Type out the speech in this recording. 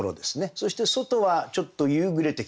そして外はちょっと夕暮れてきた。